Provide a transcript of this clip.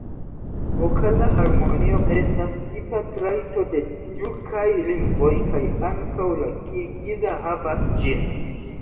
Vokala harmonio estas tipa trajto de tjurkaj lingvoj, kaj ankaŭ la kirgiza havas ĝin.